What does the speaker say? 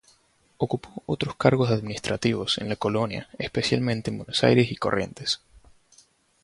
Ocupó otros cargos administrativos en la colonia, especialmente en Buenos Aires y Corrientes.